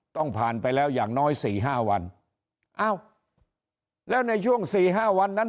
ต้องผ่านไปแล้วอย่างน้อยสี่ห้าวันอ้าวแล้วในช่วงสี่ห้าวันนั้น